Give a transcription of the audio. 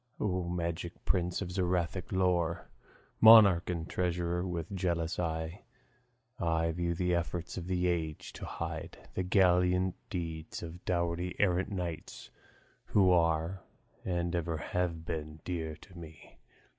Of magic prince, of Zoroastric lore Monarch and treasurer, with jealous eye I view the efforts of the age to hide The gallant deeds of doughty errant knights, Who are, and ever have been, dear to me.